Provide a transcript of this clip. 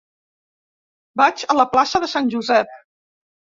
Vaig a la plaça de Sant Josep.